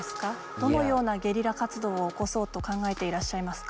どのようなゲリラ活動を起こそうと考えていらっしゃいますか？